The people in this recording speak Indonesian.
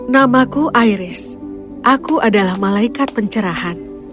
namaku iris aku adalah malaikat pencerahan